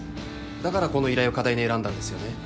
だからこの依頼を課題に選んだんですよね？